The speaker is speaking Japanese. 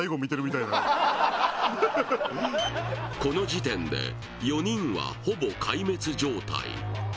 この時点で４人はほぼ壊滅状態